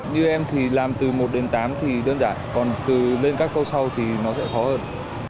như em thì làm từ một đến tám thì đơn giản còn từ lên các câu sau thì nó sẽ khó hơn